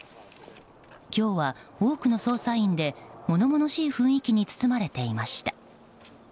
今日は多くの捜査員で物々しい雰囲気に包まれていました。